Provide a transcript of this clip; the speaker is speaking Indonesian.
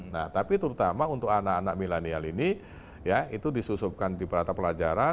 nah tapi terutama untuk anak anak milenial ini ya itu disusupkan di perata pelajaran